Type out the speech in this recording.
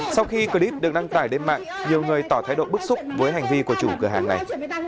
sau khi clip được đăng tải lên mạng nhiều người tỏ thái độ bức xúc với hành vi của chủ cửa hàng này